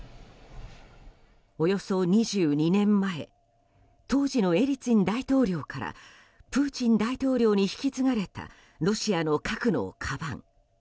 およそ２２年前当時のエリツィン大統領からプーチン大統領に引き継がれたロシアの核のかばん。